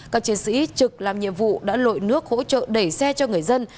các chiến sĩ trực làm nhiệm vụ đã lội nước hỗ trợ đẩy xe cho người dân